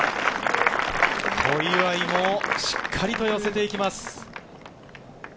小祝もしっかりと寄せていきます。